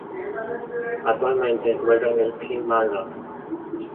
Actualmente juega en el Kilmarnock.